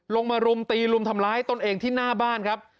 มารุมตีรุมทำร้ายตนเองที่หน้าบ้านครับ